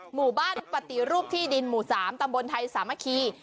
หมู่บ้านปฏิรูปที่ดินหมู่๓ตำบลไทยสามัคคี